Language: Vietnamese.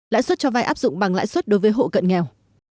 lãi suất cho vay áp dụng bằng lãi suất đối với hộ cận nghèo